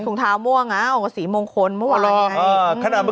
ถุงเท้าม่วงอ่ะออกกว่าสีมงคลเมื่อวานไง